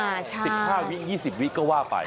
อ่าใช่๑๕วิก๒๐วิกก็ว่าไป